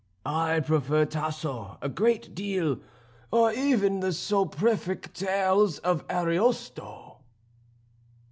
I prefer Tasso a good deal, or even the soporific tales of Ariosto."